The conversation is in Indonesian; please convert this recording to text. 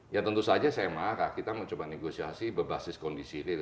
ya tentu saja sma kita mencoba negosiasi berbasis kondisi real